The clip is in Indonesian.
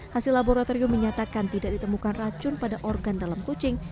hasil laboratorium menyatakan tidak ditemukan racun pada organ dalam kucing